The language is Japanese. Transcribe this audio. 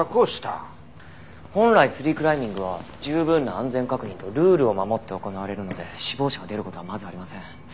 本来ツリークライミングは十分な安全確認とルールを守って行われるので死亡者が出る事はまずありません。